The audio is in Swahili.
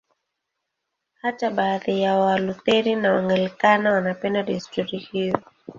Hata baadhi ya Walutheri na Waanglikana wanapenda desturi hiyo.